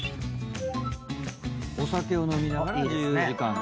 お酒を飲みながら自由時間。